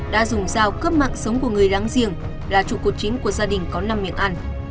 đã dùng dao cướp mạng sống của người láng giềng là trụ cột chính của gia đình có năm miệng ăn